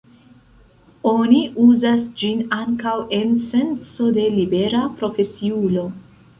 Oni uzas ĝin ankaŭ en senco de libera profesiulo.